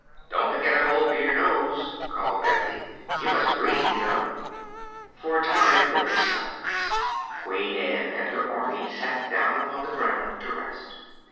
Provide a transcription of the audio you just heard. "Don't forget a hole for your nose," cried Betsy. "You must breathe, you know." For a time there was silence. Queen Ann and her army sat down upon the ground to rest.